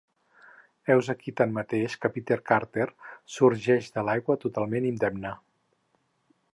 Heus aquí tanmateix que Peter Carter sorgeix de l'aigua totalment indemne.